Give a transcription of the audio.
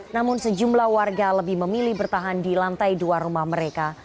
namun sejumlah warga lebih memilih bertahan di lantai dua rumah mereka